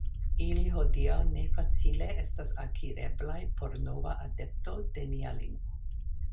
Ili hodiaŭ ne facile estas akireblaj por nova adepto de nia lingvo.